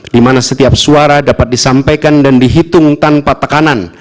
di mana setiap suara dapat disampaikan dan dihitung tanpa tekanan